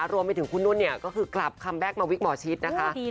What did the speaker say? รวมไปถึงคุณนุ่นก็คือกลับคามแบ็คมาวิกหมอชิตนะคะ